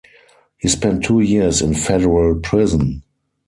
He spent two years in federal prison.